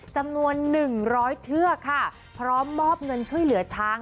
จำนวน๑๐๐เชือกค่ะพร้อมมอบเงินช่วยเหลือช้าง